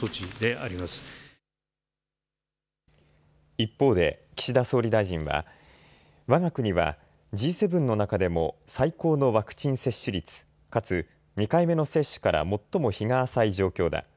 一方で岸田総理大臣はわが国はＧ７の中でも最高のワクチン接種率かつ２回目の接種から最も日が浅い状況だ。